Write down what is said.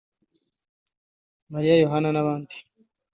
Mariya Yohana n’abandi